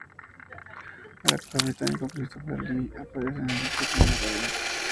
El actor británico Christopher Lee aparece en el disco como narrador.